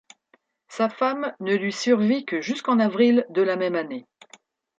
Sa femme ne lui survit que jusqu'en avril de la même année.